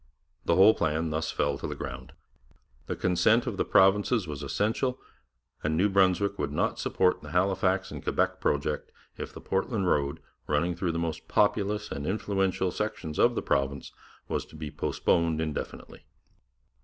The whole plan thus fell to the ground. The consent of the three provinces was essential, and New Brunswick would not support the Halifax and Quebec project if the Portland road, running through the most populous and influential sections of the province, was to be postponed indefinitely.